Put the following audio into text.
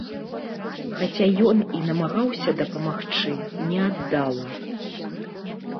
Хаця ён і намагаўся дапамагчы, не аддала.